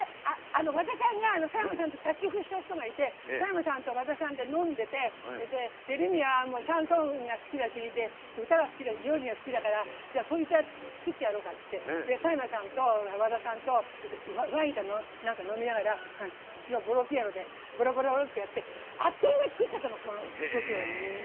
和田さんと作曲した人がいて一緒に飲んでてレミはシャンソンが好きだし歌が好きだし料理が好きだからそういう歌作ってやろうか？って言ってさやまさんと和田さんとワインかなんか飲みながらうちのボロピアノでボロローンってやってあっという間に作っちゃったの。